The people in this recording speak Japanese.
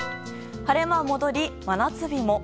晴れ間戻り、真夏日も。